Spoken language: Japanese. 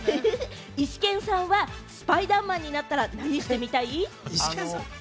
イシケンさんはスパイダーマンになったら何してみたい？